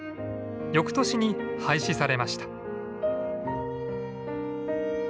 翌年に廃止されました。